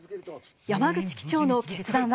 山口機長の決断は。